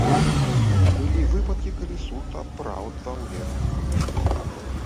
Былі выпадкі, калі суд апраўдваў вернікаў.